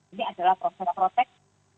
ini adalah proses protek